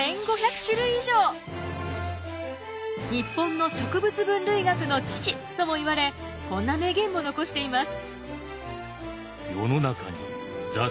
日本の植物分類学の父ともいわれこんな名言も残しています。